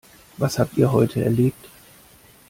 Was habt ihr heute erlebt?